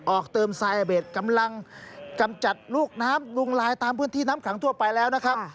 ออกเติมไซเบสกำลังกำจัดลูกน้ำยุงลายตามพื้นที่น้ำขังทั่วไปแล้วนะครับ